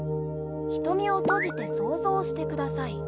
瞳を閉じて想像してください。